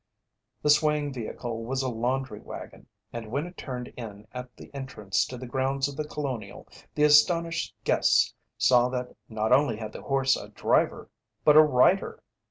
The swaying vehicle was a laundry wagon, and when it turned in at the entrance to the grounds of The Colonial, the astonished guests saw that not only had the horse a driver but a rider!